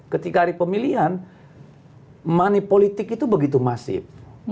ketika hari pemilihan money politik itu begitu masif